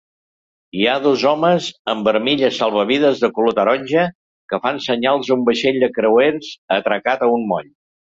Hi ha dos homes amb armilles salvavides de color taronja que fan senyals a un vaixell de creuers atracant a un moll.